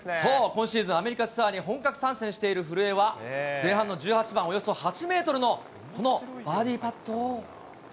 今シーズン、アメリカツアーに本格参戦している古江は、前半の１８番、およそ８メートルのこのバーディーパットを。